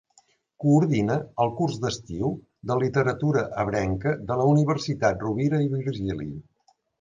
Coordina el curs d'estiu de literatura ebrenca de la Universitat Rovira i Virgili.